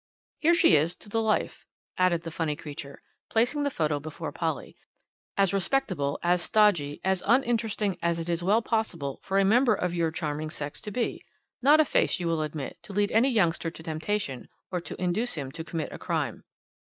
"Here she is to the life," added the funny creature, placing the photo before Polly "as respectable, as stodgy, as uninteresting as it is well possible for a member of your charming sex to be; not a face, you will admit, to lead any youngster to temptation or to induce him to commit a crime.